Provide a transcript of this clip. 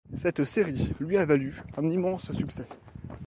Cette série lui a valu un immense succès.